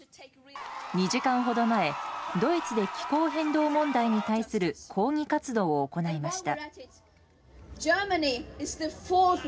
２時間ほど前ドイツで気候変動問題に対する抗議活動を行いました。